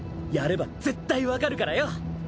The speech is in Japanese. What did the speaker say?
やれば絶対わかるからよ！